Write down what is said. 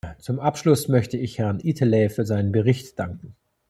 Zum Abschluss möchte ich Herrn Itälä für seinen Bericht danken.